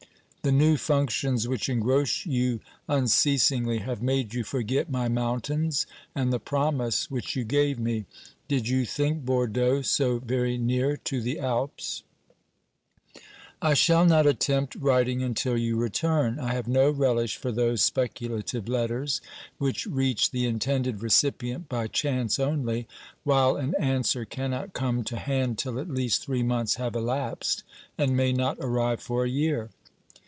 The new functions which engross you unceasingly have made you forget my mountains and the promise which you gave me. Did you think Bordeaux so very near to the Alps ? I shall not attempt writing until your return. I have no relish for those speculative letters which reach the intended recipient by chance only, while an answer cannot come to hand till at least three months have elapsed and may not arrive for a year.